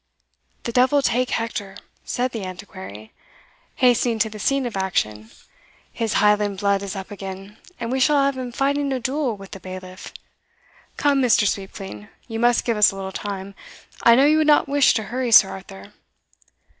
"The devil take Hector," said the Antiquary, hastening to the scene of action; "his Highland blood is up again, and we shall have him fighting a duel with the bailiff. Come, Mr. Sweepclean, you must give us a little time I know you would not wish to hurry Sir Arthur."